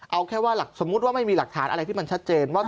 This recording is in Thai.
เอาแค่ว่าสมมุติว่าไม่มีหลักฐานอะไรที่มันชัดเจนว่า